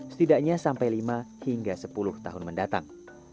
setidaknya sampai lima hingga sepuluh tahun mendatang